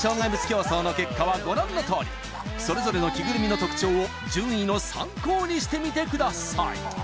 競走の結果はご覧のとおりそれぞれの着ぐるみの特徴を順位の参考にしてみてください